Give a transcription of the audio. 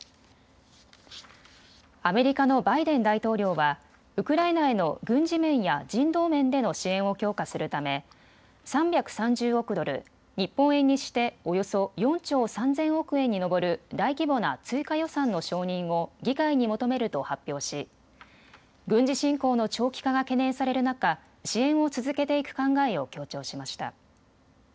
アメリカのバイデン大統領はウクライナへの軍事面や人道面での支援を強化するため３３０億ドル、日本円にしておよそ４兆３０００億円に上る大規模な追加予算の承認を議会に求めると発表し軍事侵攻の長期化が懸念される中、支援を続けていく考えを強調しました。